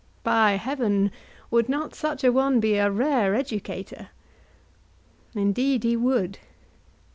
By heaven, would not such an one be a rare educator? Indeed he would.